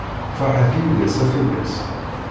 Ferḥet yid-s, a tullas!